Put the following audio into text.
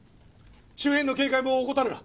周辺の警戒も怠るな。